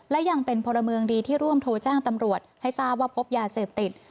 และยังเป็นพลเมืองดีที่ร่วมโทรแจ้งตำรวจให้ทราบว่าพบยาเสพติด